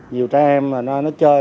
nhiều trẻ em nó chơi